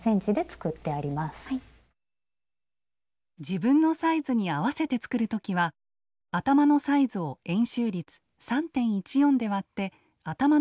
自分のサイズに合わせて作る時は頭のサイズを円周率３．１４で割って頭の直径を出します。